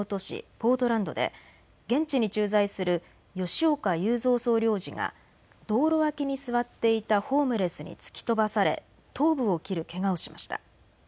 ポートランドで現地に駐在する吉岡雄三総領事が道路脇に座っていたホームレスに突き飛ばされ頭部を切るけがをしました。